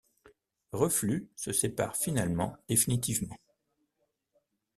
Reflux se sépare finalement définitivement.